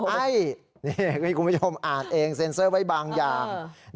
ใช่นี่คุณผู้ชมอ่านเองเซ็นเซอร์ไว้บางอย่าง